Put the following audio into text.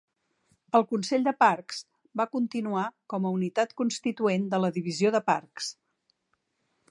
El Consell de Parcs va continuar com a unitat constituent de la Divisió de Parcs.